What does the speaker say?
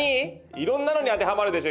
いろんなのに当てはまるでしょ